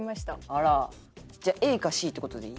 あら。じゃあＡかＣって事でいい？